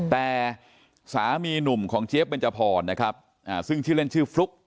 แต่สามีหนุ่มของเจี๊ยบเบนจพรนะครับซึ่งชื่อเล่นชื่อฟลุ๊ก